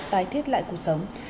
tái thiết lại cuộc sống